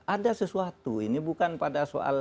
ada sesuatu ini bukan pada soal